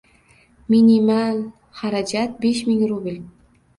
Minimal xarajat - besh ming rubl.